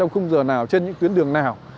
trong khung giờ nào trên những tuyến đường nào